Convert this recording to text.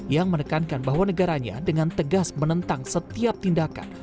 yang menekankan bahwa negaranya dengan tegas menentang setiap tindakan